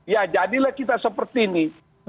ya jadilah kita seperti ini